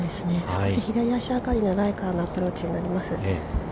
少し左足上がりのライからのアプローチになります。